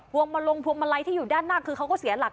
วงมาลงพวงมาลัยที่อยู่ด้านหน้าคือเขาก็เสียหลัก